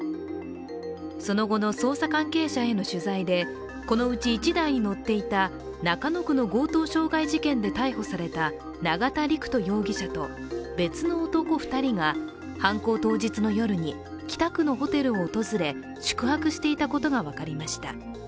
その後の捜査関係者への取材でこのうち１台に乗っていた中野区の強盗傷害事件で逮捕された永田陸人容疑者と別の男２人が犯行当日の夜に北区のホテルを訪れ宿泊していたことが分かりました。